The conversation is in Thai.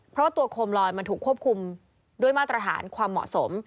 เพราะว่าตัวโคมลอยมันถูกควบคุมด้วยมาตรฐานความเหมาะสม